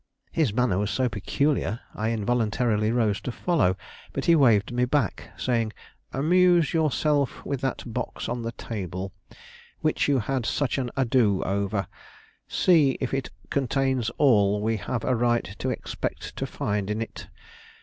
His manner was so peculiar, I involuntarily rose to follow; but he waved me back, saying: "Amuse yourself with that box on the table, which you had such an ado over; see if it contains all we have a right to expect to find in it.